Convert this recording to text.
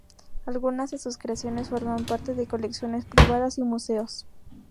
Algunas de sus creaciones forman parte de colecciones privadas y museos.